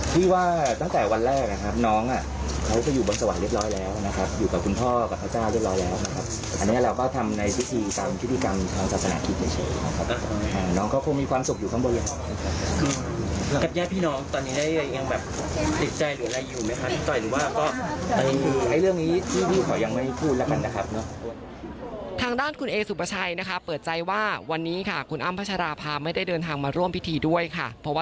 พี่ว่าตั้งแต่วันแรกน้องเขาก็อยู่บนสวรรค์เรียบร้อยแล้ว